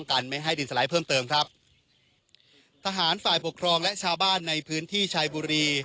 อาหารฝ่ายปกครองและชาวบ้านในพื้นที่ชัยบุรี